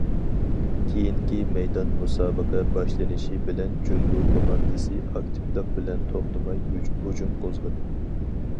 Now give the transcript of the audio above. كېيىنكى مەيدان مۇسابىقە باشلىنىشى بىلەن جۇڭگو كوماندىسى ئاكتىپلىق بىلەن توختىماي ھۇجۇم قوزغىدى.